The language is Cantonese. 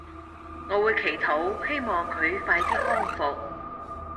我會祈禱希望佢快啲康復